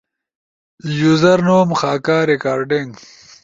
یوزر نوم، خاکہ، ریکارڈنگ